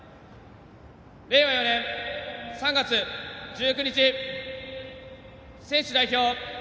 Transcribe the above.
令和４年３月１９日選手代表